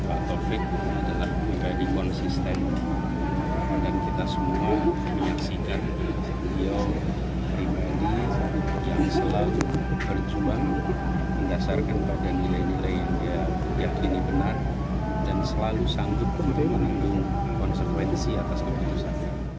anies juga mengaku sering mendapatkan dukungan dari m taufik selama menjabat sebagai gubernur